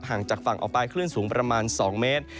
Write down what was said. ห่างจากฝั่งออกไปคลื่นสูงประมาณ๒เมตร